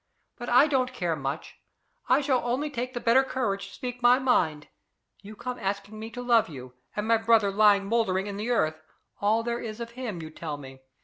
But I don't care MUCH. I shall only take the better courage to speak my mind. You come asking me to love you, and my brother lying mouldering in the earth all there is of him, you tell me!